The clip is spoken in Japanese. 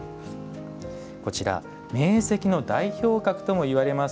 名石の代表格ともいわれます